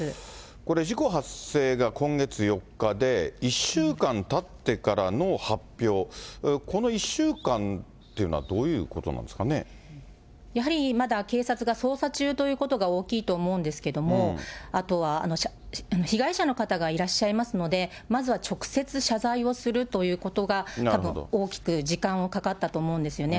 これ、事故発生が今月４日で、１週間たってからの発表、この１週間というのは、やはりまだ、警察が捜査中ということが大きいと思うんですけども、あとは被害者の方がいらっしゃいますので、まずは直接謝罪をするということが、たぶん大きく時間がかかったと思うんですよね。